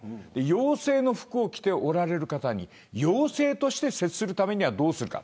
妖精の服を着ている方に妖精として接するためにはどうするか。